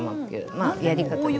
まあやり方です。